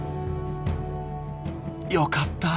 よかった！